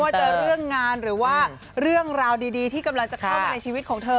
จะเรื่องงานหรือว่าเรื่องราวดีที่กำลังจะเข้ามาในชีวิตของเธอ